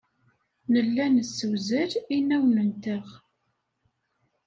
Nella nessewzal inawen-nteɣ.